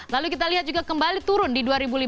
lalu kita lihat juga kembali turun di dua ribu lima belas